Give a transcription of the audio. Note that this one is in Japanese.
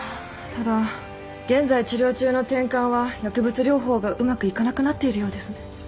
ただ現在治療中のてんかんは薬物療法がうまくいかなくなっているようですね。